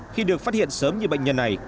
khi được phát hiện sớm như bệnh nhân này